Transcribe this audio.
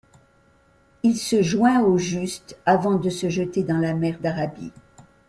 Il se joint au juste avant de se jeter dans la Mer d'Arabie.